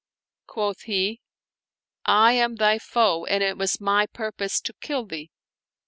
Quoth he, "I am thy foe and it was my purpose to kill thee."